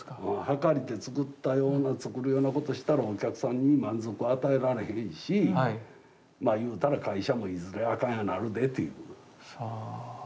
計りて作ったような作るようなことしたらお客さんに満足を与えられへんしまあ言うたら会社もいずれあかんようになるでっていう。